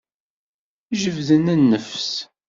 Jebden nnefs.